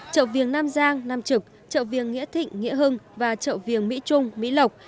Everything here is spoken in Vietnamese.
chợ viếng nam giang nam trực chợ viếng nghĩa thịnh nghĩa hưng và chợ viếng mỹ trung mỹ lộc